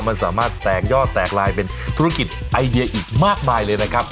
มันสามารถแตกยอดแตกลายเป็นธุรกิจไอเดียอีกมากมายเลยนะครับ